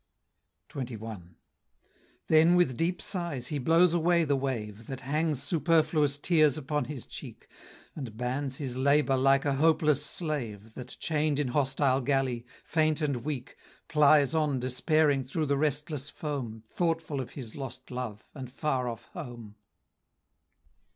XXI. Then with deep sighs he blows away the wave, That hangs superfluous tears upon his cheek, And bans his labor like a hopeless slave, That, chain'd in hostile galley, faint and weak, Plies on despairing through the restless foam, Thoughtful of his lost love, and far off home.